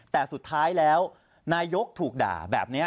แต่สุดท้ายแล้วนายกถูกด่าแบบนี้